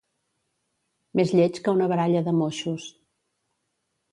Més lleig que una baralla de moixos.